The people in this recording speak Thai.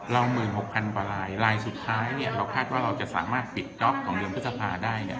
เราหมื่นหกพันกว่าลายลายสุดท้ายเนี้ยเราคาดว่าเราจะสามารถปิดจ๊อบของเรือนพฤษภาได้เนี้ย